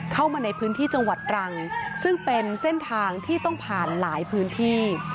เข้ามาในพื้นที่จังหวัดตรังซึ่งเป็นเส้นทางที่ต้องผ่านหลายพื้นที่